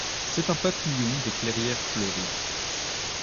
C'est un papillon des clairières fleuries.